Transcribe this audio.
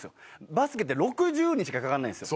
バスケって６０人しかかからないんですよ。